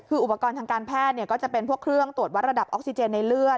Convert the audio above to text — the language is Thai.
คืออุปกรณ์ทางการแพทย์ก็จะเป็นพวกเครื่องตรวจวัดระดับออกซิเจนในเลือด